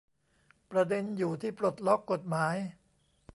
ประเด็นอยู่ที่ปลดล็อกกฎหมาย